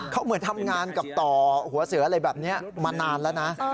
เขาเหมือนทำงานกับต่อหัวเสืออะไรแบบนี้มานานแล้วนะ